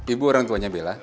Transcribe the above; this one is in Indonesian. ibu orang tuanya bella